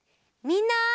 みんな！